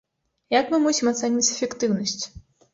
Як мы мусім ацэньваць эфектыўнасць?